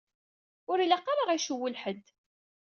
Ur ilaq ara ad ɣ-icewwel ḥedd.